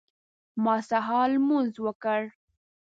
ما سهار لمونځ وکړ.